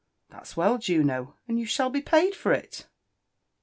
" That's well, Juno — and you shall be paid for it."